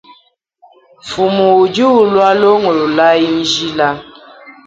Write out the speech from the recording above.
Mfumu udi ulua longololayi njila.